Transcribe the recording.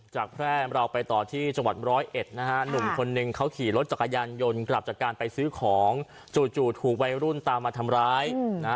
แพร่เราไปต่อที่จังหวัดร้อยเอ็ดนะฮะหนุ่มคนนึงเขาขี่รถจักรยานยนต์กลับจากการไปซื้อของจู่ถูกวัยรุ่นตามมาทำร้ายนะฮะ